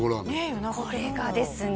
これがですね